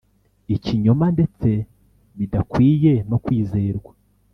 ikinyoma ndetse bidakwiye no kwizerwa